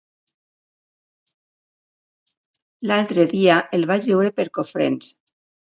L'altre dia el vaig veure per Cofrents.